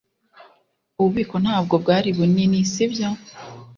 Ububiko ntabwo bwari bunini, sibyo?